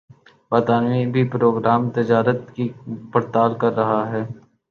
برطانیہ بھِی پروگرام تجارت کی پڑتال کر رہا ہے